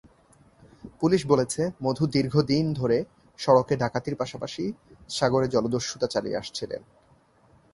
Police বলছে, মধু দীর্ঘদিন ধরে সড়কে ডাকাতির পাশাপাশি সাগরে জলদস্যুতা চালিয়ে আসছিলেন।